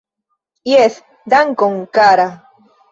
Jes, dankon kara